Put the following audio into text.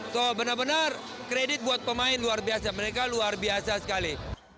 so benar benar kredit buat pemain luar biasa mereka luar biasa sekali